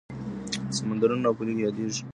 سمندرونه او پولې یادېږي.